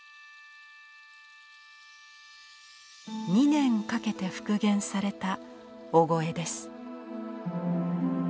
２年かけて復元された「御後絵」です。